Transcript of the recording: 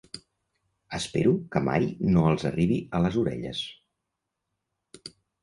Espero que mai no els arribi a les orelles.